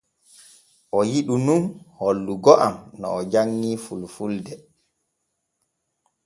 O yiɗu nun hollugo am no o janŋii fulfulde.